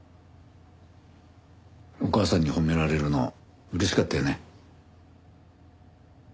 お母さんに褒められるの嬉しかったよね。